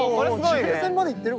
地平線まで行ってる？